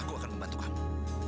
aku akan membantu kamu